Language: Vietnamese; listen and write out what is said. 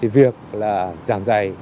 việc giảng giải